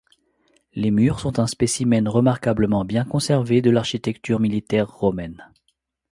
Les murs sont un spécimen remarquablement bien conservé de l'architecture militaire romaine.